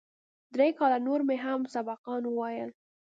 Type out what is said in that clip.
درې کاله نور مې هم سبقان وويل.